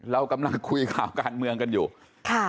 เรากำลังคุยข่าวการเมืองกันอยู่ค่ะ